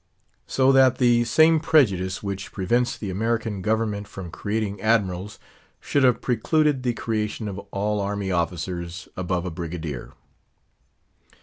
So that the same prejudice which prevents the American Government from creating Admirals should have precluded the creation of all army officers above a Brigadier.